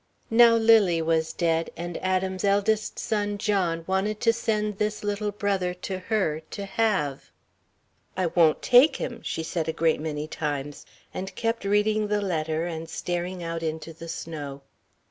Now Lily was dead, and Adam's eldest son, John, wanted to send this little brother to her, to have. "I won't take him," she said a great many times, and kept reading the letter and staring out into the snow.